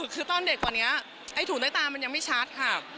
คือตอนเด็กกว่านี้ไอ้ถุงด้วยตามันยังไม่ชัดค่ะ